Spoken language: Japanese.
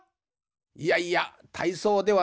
いやいやたいそうではないぞ。